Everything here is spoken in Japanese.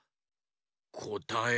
こたえは。